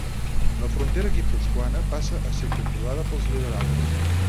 La frontera guipuscoana passa a ser controlada pels liberals.